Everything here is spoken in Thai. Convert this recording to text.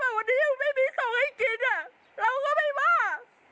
วันนี้ไม่มีส่งให้กินเราก็ไม่ว่า